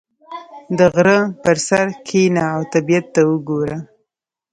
• د غره پر سر کښېنه او طبیعت ته وګوره.